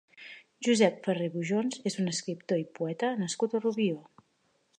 Josep Ferrer Bujons és un escriptor i poeta nascut a Rubió.